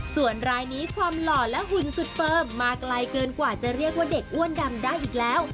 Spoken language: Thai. ส่วนรายนี้ความหล่อและหุ่นสุดเฟิร์มมาไกลเกินกว่าจะเรียกว่าเด็กอ้วนดำได้อีกแล้ว